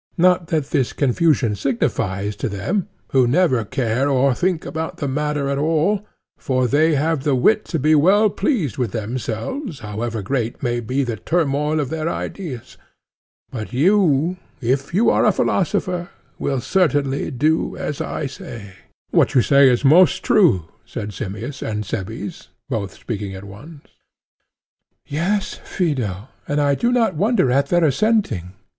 Not that this confusion signifies to them, who never care or think about the matter at all, for they have the wit to be well pleased with themselves however great may be the turmoil of their ideas. But you, if you are a philosopher, will certainly do as I say. What you say is most true, said Simmias and Cebes, both speaking at once. ECHECRATES: Yes, Phaedo; and I do not wonder at their assenting.